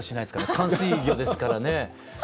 淡水魚ですからね。